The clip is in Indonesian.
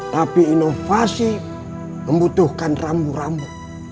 tapi inovasi membutuhkan rambu rambu